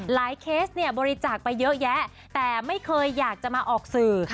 เคสเนี่ยบริจาคไปเยอะแยะแต่ไม่เคยอยากจะมาออกสื่อ